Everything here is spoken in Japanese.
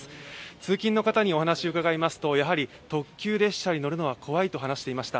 通勤の方にお話を伺いますと、特急列車に乗るのは怖いと話していました。